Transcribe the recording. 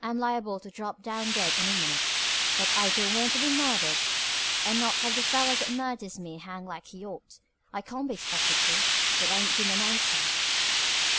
I'm liable to drop down dead any minute. But I don't want to be murdered and not have the feller that murders me hang like he ought. I can't be expected to. It ain't human nature."